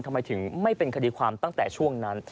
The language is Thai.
ทำไมถึงไม่เป็นคดีความตั้งแต่ช่วงนั้น